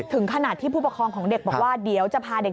ถึงขนาดที่ผู้ปกครองของเด็กบอกว่าเดี๋ยวจะพาเด็ก